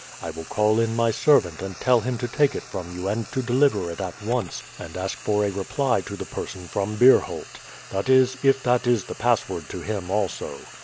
I will call in my servant and tell him to take it from you and to deliver it at once, and ask for a reply to the person from Beerholt. That is, if that is the password to him also.